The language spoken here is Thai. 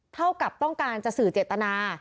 เท่ากับต้องการจะสื่อเจตนา